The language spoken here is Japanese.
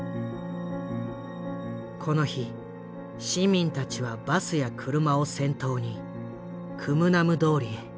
この日市民たちはバスや車を先頭にクムナム通りへ。